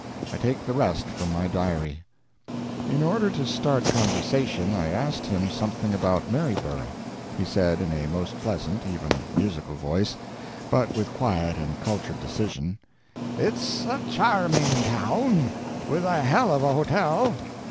I take the rest from my diary: In order to start conversation I asked him something about Maryborough. He said, in a most pleasant even musical voice, but with quiet and cultured decision: "It's a charming town, with a hell of a hotel."